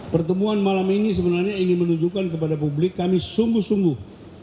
pertemuan malam ini sebenarnya ingin menunjukkan kepada publik kami sungguh sungguh